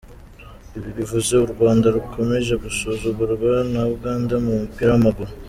Ibi bivuze u Rwanda rukomeje gusuzugurwa na Uganda mu mupira w’amaguru.